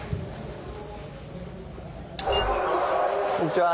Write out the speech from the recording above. こんにちは。